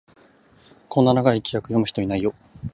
こんな長い規約、読む人いないよ